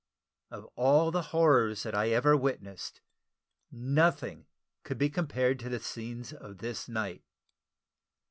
Of all the horrors that ever I witnessed, nothing could be compared to the scene of this night.